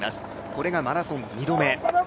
これがマラソン２度目。